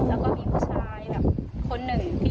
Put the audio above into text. แต่คือหนูก็คงคิดว่าน่าจะเป็นน้องคนที่เขากลับขึ้นนั่นหรือเปล่า